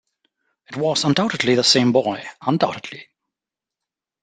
It was undoubtedly the same boy, undoubtedly!